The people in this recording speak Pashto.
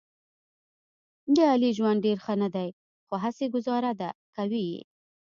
د علي ژوند ډېر ښه نه دی، خو هسې ګوزاره ده کوي یې.